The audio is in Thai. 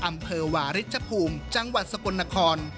อำเภอวาริชภูมิจังหวัดสกลนคร